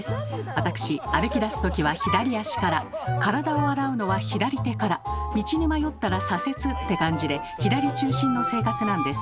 私歩きだすときは左足から体を洗うのは左手から道に迷ったら左折って感じで左中心の生活なんです。